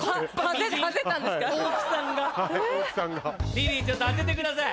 リリーちょっと当ててください。